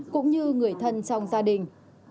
cũng như người thân trong gia đình